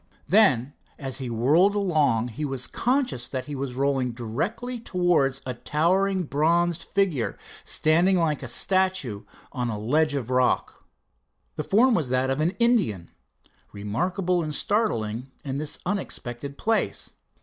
Then as he whirled along he was conscious that he was rolling directly towards a towering bronzed figure, standing like a statue on a ledge of rock. The form was that of an Indian, remarkable and startling in this unexpected place.